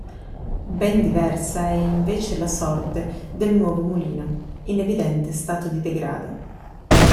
Ben diversa è invece la sorte del nuovo mulino, in evidente stato di degrado.